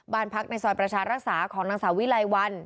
บ้านพักในซอยประชารักษาของนางสาววิไลวัน